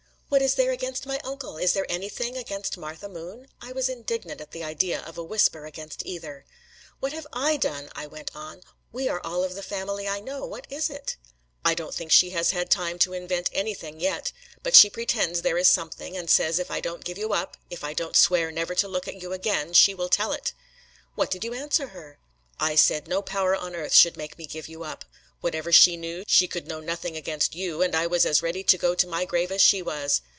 "What is there against my uncle? Is there anything against Martha Moon?" I was indignant at the idea of a whisper against either. "What have I done?" I went on. "We are all of the family I know: what is it?" "I don't think she has had time to invent anything yet; but she pretends there is something, and says if I don't give you up, if I don't swear never to look at you again, she will tell it." "What did you answer her?" "I said no power on earth should make me give you up. Whatever she knew, she could know nothing against you, and I was as ready to go to my grave as she was.